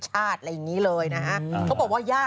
จากกระแสของละครกรุเปสันนิวาสนะฮะ